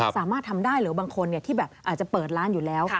สามารถทำได้หรือบางคนที่แบบอาจจะเปิดร้านอยู่แล้ว